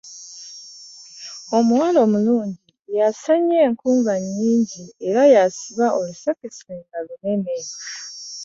Omuwala omulungi yasennya enku nga nnyingi era yasiba olusekese nga lunene.